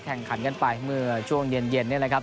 แข่งขันกันไปเมื่อช่วงเย็นนี่แหละครับ